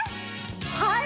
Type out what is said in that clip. はい！